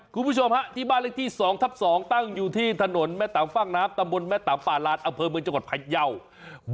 คุณผู้ชมฮะที่บ้านเลขที่๒ทับ๒ตั้งอยู่ที่ถนนแม่ตำฟากน้ำตำบลแม่ตำป่าลานอำเภอเมืองจังหวัดพยาว